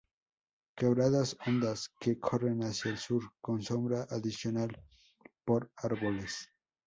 Quebradas hondas que corren hacia el sur con sombra adicional por árboles.